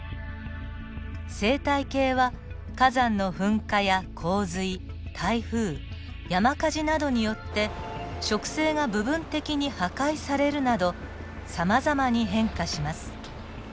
生態系は火山の噴火や洪水台風山火事などによって植生が部分的に破壊されるなどさまざまに変化します。